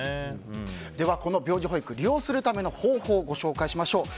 ではこの病児保育利用するための方法ご紹介しましょう。